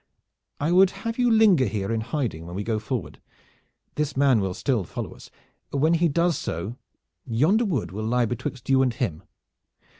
I would have you linger here in hiding when we go forward. This man will still follow us. When he does so, yonder wood will lie betwixt you and him.